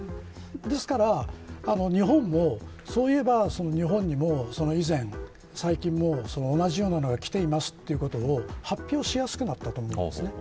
ですから日本も、そういえば日本にも最近も同じようなものが来ていますということを発表しやすくなったと思います。